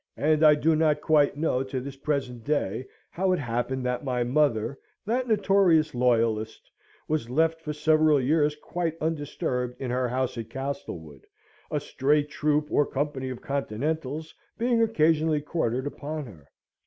And I do not quite know to this present day, how it happened that my mother, that notorious Loyalist, was left for several years quite undisturbed in her house at Castlewood, a stray troop or company of Continentals being occasionally quartered upon her.